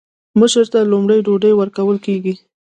مشر ته لومړی ډوډۍ ورکول کیږي.